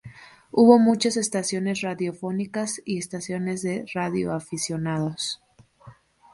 Hubo muchas estaciones radiofónicas y estaciones de radioaficionados.